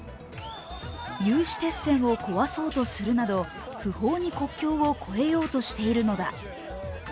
有刺鉄線を壊そうとするなど不法に国境を越えようとしているのだ。